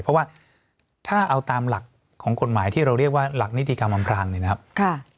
เพราะว่าถ้าเอาตามหลักของกฎหมายที่เราเรียกว่าหลักนิติกรรมอำพรางเนี่ยนะครับ